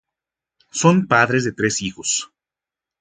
Son padres de tres hijos.